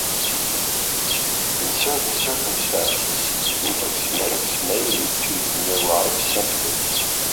In certain circumstances, these conflicts may lead to neurotic symptoms.